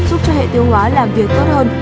giúp cho hệ tiêu hóa làm việc tốt hơn